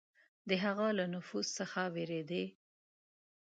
د هغه له نفوذ څخه بېرېدی.